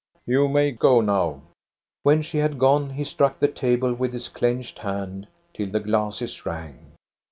You may go now.' When she had gone, he struck the table with his clenched hand till the glasses rang.